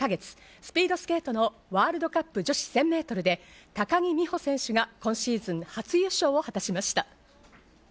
スピードスケートのワールドカップ女子１０００メートルで、高木美帆選手が今シーズン初優勝を果たしました。